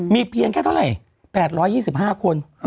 มีเพียงแค่ตามที่เท่าไหร่๘๒๕คน